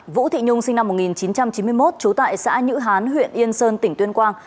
vũ thị nhung sinh năm một nghìn chín trăm chín mươi một trú tại xã nhữ hán huyện yên sơn tỉnh tuyên quang